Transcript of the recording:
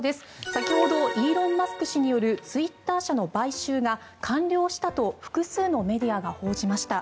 先ほどイーロン・マスク氏によるツイッター社の買収が完了したと複数のメディアが報じました。